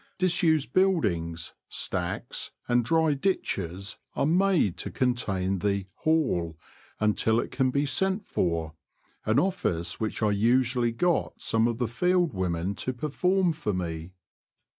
Disused buildings, stacks, and dry ditches are made to contain the '' haul " until it can be sent for — an office which I usually got some of the field women to perform for me.